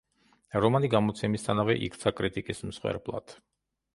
რომანი გამოცემისთანავე იქცა კრიტიკის მსხვერპლად.